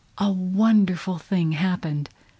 A wonderful thing happened!